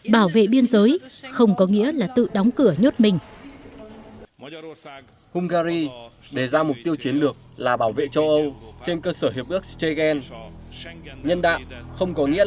bảo vệ biên giới không có nghĩa là tự đóng cửa nhốt mình